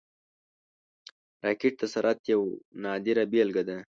راکټ د سرعت یوه نادره بیلګه ده